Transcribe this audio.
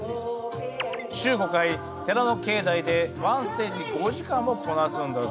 週５回寺の境内でワンステージ５時間もこなすんだぜ。